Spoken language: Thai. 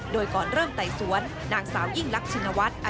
โดยก่อนเริ่มไต่สวนนางสาวยิ่งลักชินวัฒน์